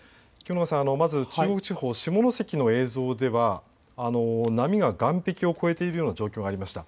まず中国地方、下関の映像では波が岸壁を越えているような状況がありました。